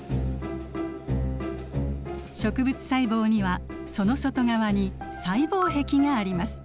植物細胞にはその外側に細胞壁があります。